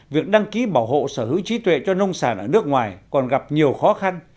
việc đăng ký bảo hộ sở hữu trí tuệ cho nông sản ở nước ngoài còn gặp nhiều khó khăn